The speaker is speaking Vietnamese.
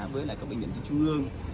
với lại các bệnh viện trung ương